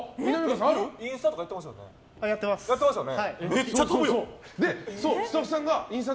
インスタとかやってますよね？